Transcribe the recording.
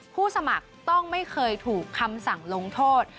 ผู้สมัครต้องไม่เคยถูกคำสั่งลงโทษ